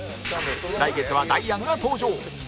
来月はダイアンが登場